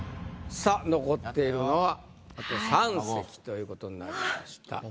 さぁ残っているのはあと３席ということになりました。